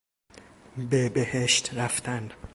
به بهشت رفتن